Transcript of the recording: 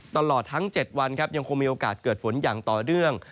ตลอดทั้ง๗วันครับยังคงมีโอกาสเกิดฝนอย่างต่อเนื่อง